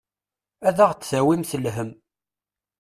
Ad aɣ-d-tawimt lhemm.